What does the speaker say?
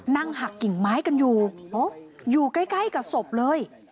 นั่งหักกิ่งไม้กันอยู่อยู่ใกล้กับศพเลย